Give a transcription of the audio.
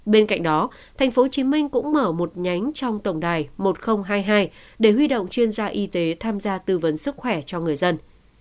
bên cạnh đó tp hcm cũng mở một nhánh trong tổng đài một nghìn hai mươi hai để huy động chuyên gia y tế tham gia tư vấn sức khỏe cho người dân